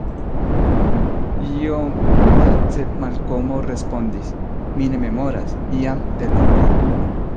Iom lace Malkomo respondis: Mi ne memoras; jam de longe.